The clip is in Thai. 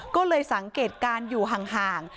ก็เลยสังเกตการณ์อยู่ห่าง